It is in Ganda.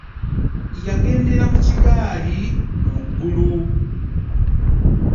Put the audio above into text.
Yangendera mu kigaali muggulu .